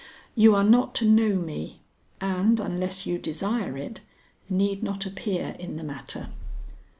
You are not to know me, and, unless you desire it, need not appear in the matter."